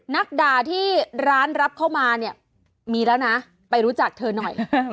นักด่าที่ร้านรับเข้ามาเนี่ยมีแล้วนะไปรู้จักเธอหน่อย